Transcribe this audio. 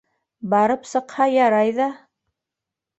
Барып сыҡһа, ярай ҙа.